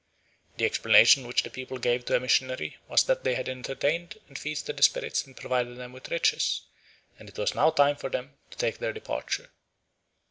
The explanation which the people gave to a missionary was that they had entertained and feasted the spirits and provided them with riches, and it was now time for them to take their departure.